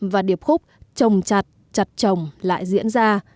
và điệp khúc trồng chặt chặt trồng lại diễn ra